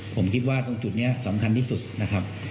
ผมคิดว่าตรงจุดนี้สำคัญที่สุดนะครับ